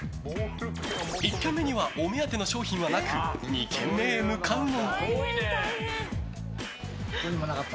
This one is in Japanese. １軒目にはお目当ての商品はなく２軒目へ向かうも。